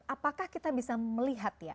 apakah kita bisa melihat ya